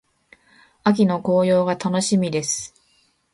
秋の紅葉が楽しみです。